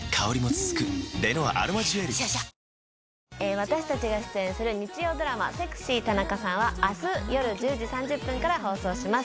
私たちが出演する日曜ドラマ、セクシー田中さんは、あす夜１０時３０分から放送します。